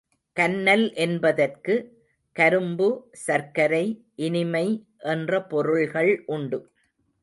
கன்னல் என்பதற்கு, கரும்பு, சர்க்கரை, இனிமை என்ற பொருள்கள் உண்டு.